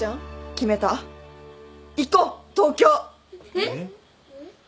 えっ。